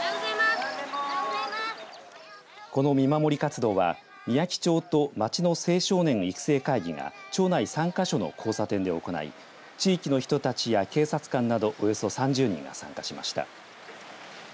この見守り活動はみやき町と町の青少年育成会議が町内３か所の交差点で行い地域の人たちや警察官などおよそ３０人が参加しました。